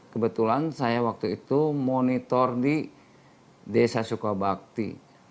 kebetulan saya waktu itu monitor di desa sukabakti